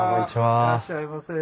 いらっしゃいませ。